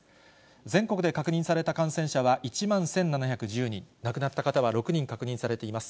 全国で確認された感染者は１万１７１０人、亡くなった方は６人確認されています。